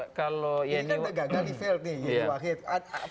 ini kan gagal di field nih